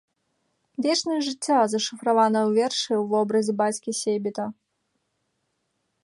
Вечнасць жыцця зашыфравана ў вершы ў вобразе бацькі-сейбіта.